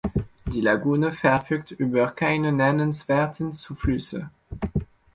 Die Lagune verfügt über keine nennenswerten Zuflüsse.